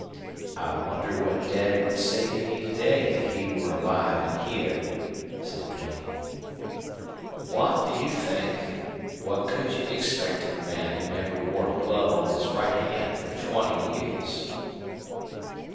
"I wonder what Dad would say to me to day if he were alive and here," said Duane. "What do you think? What could you expect of a man who never wore a glove on his right hand for twenty years?"